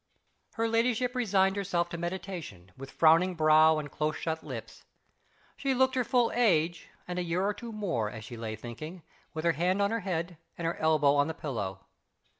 Her ladyship resigned herself to meditation, with frowning brow and close shut lips. She looked her full age, and a year or two more, as she lay thinking, with her head on her hand, and her elbow on the pillow.